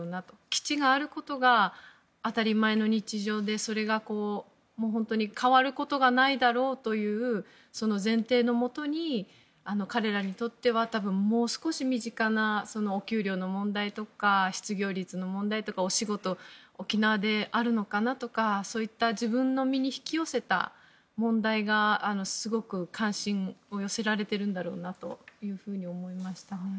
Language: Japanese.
基地があることが当たり前の日常でそれが本当に変わることがないだろうという前提のもとに、彼らにとっては多分、もう少し身近なお給料の問題とか失業率の問題とかお仕事が沖縄であるのかなとかそういった自分の身に引き寄せた問題がすごく関心を寄せられてるんだろうなと思いました。